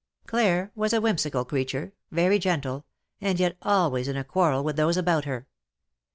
Claire was a whimsical creature, very gentle, and yet always in a quarrel with those about her.